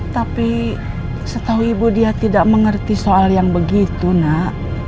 tapi setahu ibu dia tidak mengerti soal yang begitu nak